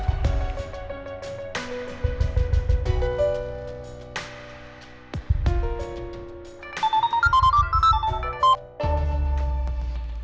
waalaikumsalam warahmatullahi wabarakatuh